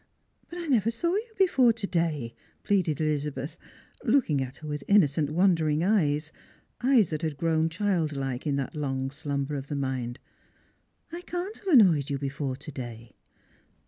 " But I never saw you before to day," pleaded Elizabeth, looking at her with innocent wondering eyes — eyes that had grown childlike in that long slumber of the mind. " I can't have annoyed you before to day."